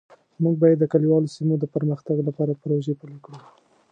موږ باید د کلیوالو سیمو د پرمختګ لپاره پروژې پلي کړو